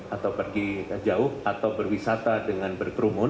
atau pergi jauh atau berwisata dengan berkerumun